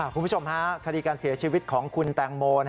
คุณผู้ชมฮะคดีการเสียชีวิตของคุณแตงโม